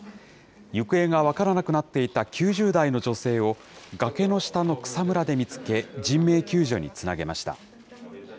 行方が分からなくなっていた９０代の女性を、崖の下の草むらで見つけ、人命救助につなげました。